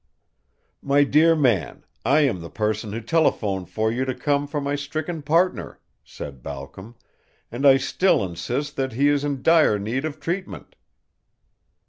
"My dear man, I am the person who telephoned for you to come for my stricken partner," said Balcom, "and I still insist that he is in dire need of treatment."